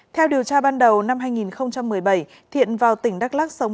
theo điều tra ban đầu năm hai nghìn một mươi bảy thiện vào tỉnh đắk lắc sống